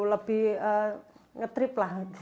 lebih ngetrip lah